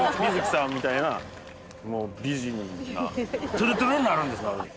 トゥルトゥルになるんですか？